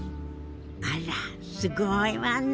あらすごいわね。